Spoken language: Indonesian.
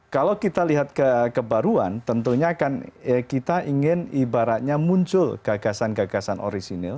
kalau kita lihat kebaruan tentunya kan kita ingin ibaratnya muncul gagasan gagasan orisinil